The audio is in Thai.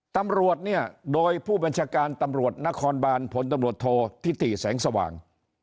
ตำรวจเนี่ยโดยผู้บัญชาการตำรวจนครบานผลตำรวจโทษธิติแสงสว่าง